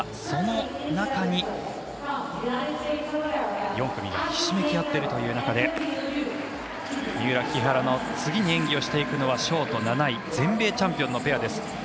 その中に４組がひしめきあっている中で三浦、木原の次に演技をしていくのはショート７位全米チャンピオンのペアです。